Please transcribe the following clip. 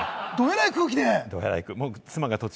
どえらい空気で。